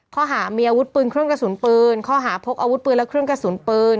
ข้อหามีอาวุธปืนเครื่องกระสุนปืนข้อหาพกอาวุธปืนและเครื่องกระสุนปืน